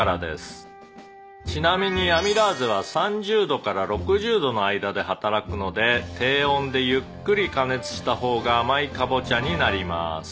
「ちなみにアミラーゼは３０度から６０度の間で働くので低温でゆっくり加熱した方が甘いカボチャになります」